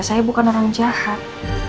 saya bukan orang jahat